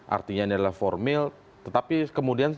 artinya ini adalah formil tetapi kemudian